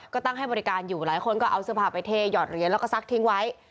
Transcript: ก็ตั้งให้บริการอยู่หลายคนก็เอาเสื้อผ้าไปเทหยอดเหรียญแล้วก็ซักทิ้งไว้